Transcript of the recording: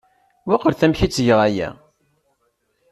Mmuqlet amek ay ttgeɣ aya!